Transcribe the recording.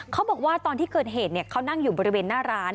เขาบอกว่าตอนที่เกิดเหตุเขานั่งอยู่บริเวณหน้าร้าน